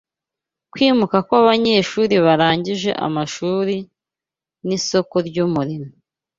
Kwimuka kw'abanyeshuri barangije amashuri n'isoko ry'umurimo